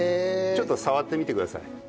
ちょっと触ってみてください。